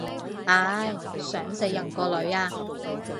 唉，想食人個女啊